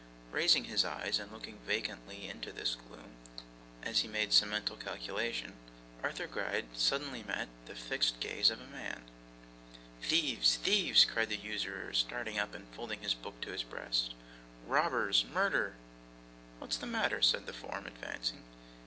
Raising his eyes, and looking vacantly into this gloom as he made some mental calculation, Arthur Gride suddenly met the fixed gaze of a man. 'Thieves! thieves!' shrieked the usurer, starting up and folding his book to his breast. 'Robbers! Murder!' 'What is the matter?' said the form, advancing.